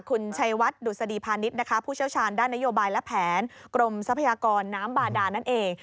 คุณชัยวัดดุษฎีพาณิชย์นะคะผู้เชี่ยวชาญด้านนโยบายและแผนกรมทรัพยากรน้ำบาดานั่นเอง